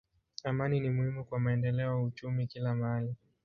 Amani ni muhimu kwa maendeleo ya uchumi kila mahali.